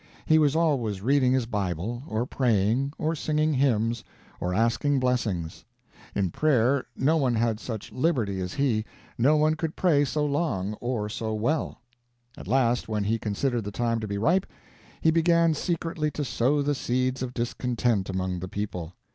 He was always reading his Bible, or praying, or singing hymns, or asking blessings. In prayer, no one had such "liberty" as he, no one could pray so long or so well. At last, when he considered the time to be ripe, he began secretly to sow the seeds of discontent among the people.